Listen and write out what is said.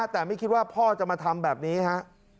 แต่ไม่คิดว่าพ่อจะมาทำแบบนี้ฮะ